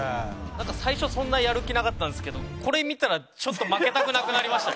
最初そんなやる気なかったんですけどこれ見たらちょっと負けたくなくなりましたね。